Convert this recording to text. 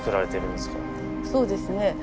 そうですね